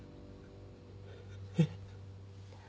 えっ？